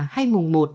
hay mùng một